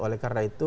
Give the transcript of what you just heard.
oleh karena itu